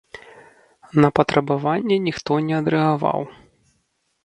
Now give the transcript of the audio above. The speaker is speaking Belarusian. На патрабаванне ніхто не адрэагаваў.